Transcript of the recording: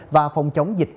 và phòng chống dịch bệnh